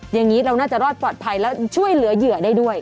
อย่างนี้เราน่าจะรอดปลอดภัยแล้วช่วยเหลือเหยื่อได้ด้วย